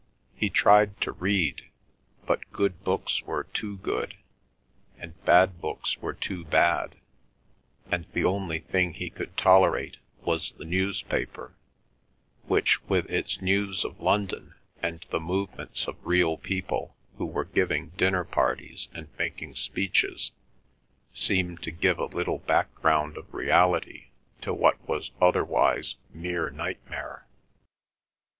He tried to read, but good books were too good, and bad books were too bad, and the only thing he could tolerate was the newspaper, which with its news of London, and the movements of real people who were giving dinner parties and making speeches, seemed to give a little background of reality to what was otherwise mere nightmare.